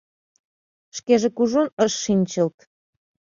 Шкеже кужун ыш шинчылт.